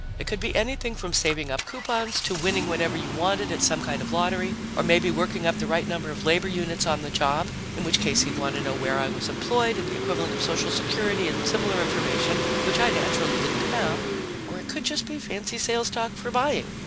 It could be anything from saving up coupons to winning whatever you wanted at some kind of lottery, or maybe working up the right number of labor units on the job in which case he'd want to know where I was employed and the equivalent of social security and similar information, which I naturally didn't have or it could just be fancy sales talk for buying.